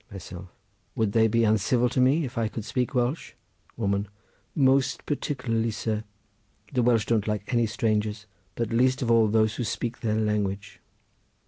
Myself.—Would they be uncivil to me if I could speak Welsh? Woman.—Most particularly, sir; the Welsh don't like any strangers, but least of all those who speak their language.